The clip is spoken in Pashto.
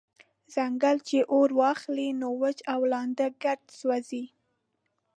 « ځنګل چی اور واخلی نو وچ او لانده ګډ سوځوي»